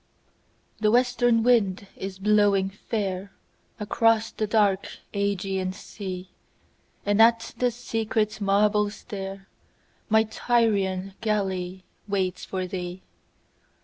THE WESTERN wind is blowing fairAcross the dark Ægean sea, And at the secret marble stairMy Tyrian galley waits for thee.